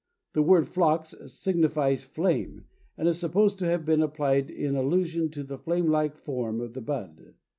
The word Phlox signifies flame, and is supposed to have been applied in allusion to the flame like form of the bud.